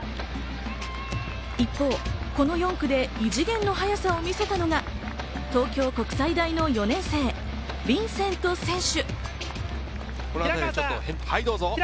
一方、この４区で異次元の速さを見せたのが東京国際大の４年生、ヴィンセント選手。